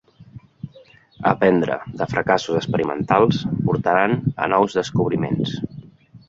Aprendre de fracassos experimentals portaran a nous descobriments.